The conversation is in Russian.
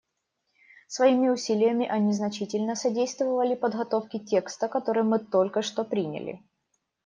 Своими усилиями они значительно содействовали подготовке текста, который мы только что приняли.